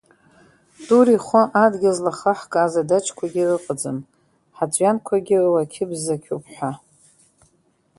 Тур ихәы адгьыл злахаҳкааз адаҷқәагьы ыҟаӡам, ҳаҵәҩанқәагьы уақьы-бзақьуп ҳәа.